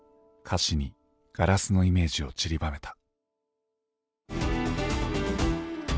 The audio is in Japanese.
歌詞に硝子のイメージをちりばめた。